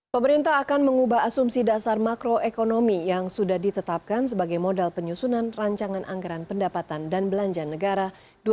pemerintah akan mengubah asumsi dasar makroekonomi yang sudah ditetapkan sebagai modal penyusunan rancangan anggaran pendapatan dan belanja negara dua ribu dua puluh